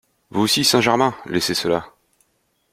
Vous aussi, Saint-Germain ? laissez cela…